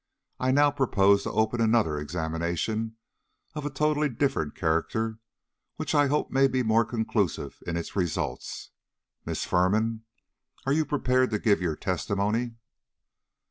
I now propose to open another examination of a totally different character, which I hope may be more conclusive in its results. Miss Firman, are you prepared to give your testimony?"